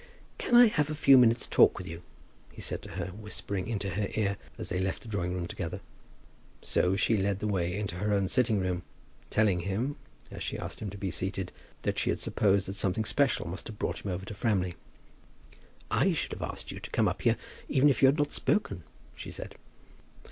"Can I have a few minutes' talk with you?" he said to her, whispering into her ear as they left the drawing room together. So she led the way into her own sitting room, telling him, as she asked him to be seated, that she had supposed that something special must have brought him over to Framley. "I should have asked you to come up here, even if you had not spoken," she said.